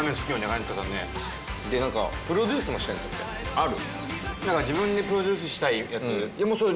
ある？